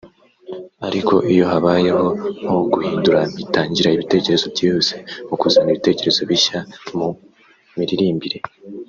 ariko iyo habayeho nko guhindura mpita ngira ibitekerezo byihuse mu kuzana ibitekerezo bishya mu miririmbire